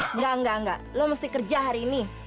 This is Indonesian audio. engga engga engga lo mesti kerja hari ini